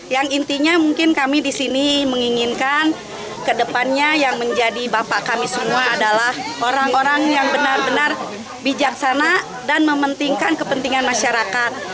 yang intinya mungkin kami di sini menginginkan kedepannya yang menjadi bapak kami semua adalah orang orang yang benar benar bijaksana dan mementingkan kepentingan masyarakat